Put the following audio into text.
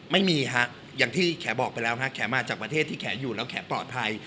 ไม่มีฮะอย่างที่แขบอกไปแล้วฮะแขมาจากประเทศที่แขอยู่แล้วแขปลอดภัย